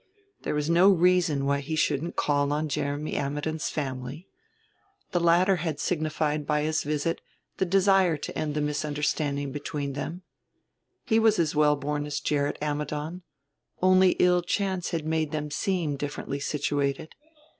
There was no reason why he shouldn't call on Jeremy Ammidon's family. The latter had signified by his visit the desire to end the misunderstanding between them. He was as well born as Gerrit Ammidon; only ill chance had made them seem differently situated.